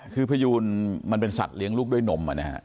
คือพระยูนมันเป็นสัตว์เลี้ยงลูกด้วยหนมอ่ะเนี่ย